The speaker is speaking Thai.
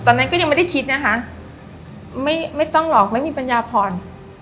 ตอนนั้นก็ยังไม่ได้คิดนะคะไม่ไม่ต้องหรอกไม่มีปัญญาผ่อน